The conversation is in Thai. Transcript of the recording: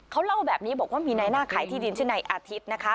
เขาเล่าแบบนี้บอกว่ามีนายหน้าขายที่ดินชื่อนายอาทิตย์นะคะ